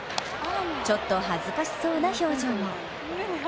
ちょっと恥ずかしそうな表情も。